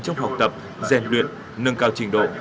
trong học tập rèn luyện nâng cao trình độ